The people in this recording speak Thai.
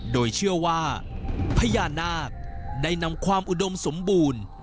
โดยเชื่อว่าพญานาคได้นำความอุดมสมบูรณ์